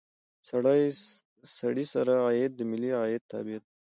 سړي سر عاید د ملي عاید تابع ده.